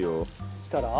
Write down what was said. そうしたら？